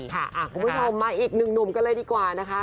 คุณผู้ชมมาอีกหนึ่งหนุ่มกันเลยดีกว่านะคะ